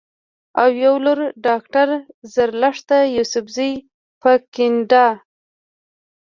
او يوه لورډاکټره زرلښته يوسفزۍ پۀ کنېډا